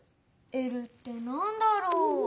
「Ｌ」ってなんだろう？